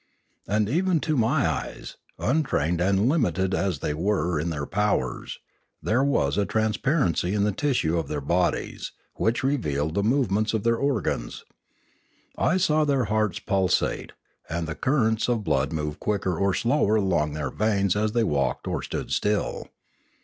And even to my eyes, untrained and limited as thefy were in their powers, there was a transparency in the tissue of their bodies which revealed the movements of their organs; I saw their hearts pulsate, and the currents of the blood move quicker or slower along their veins as they walked or stood still.